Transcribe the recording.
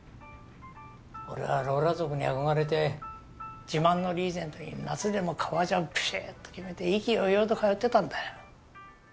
俺はローラー族に憧れて自慢のリーゼントに夏でも革ジャンピシッと決めて意気揚々と通ってたんだよ。